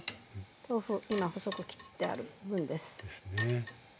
豆腐を今細く切ってある分です。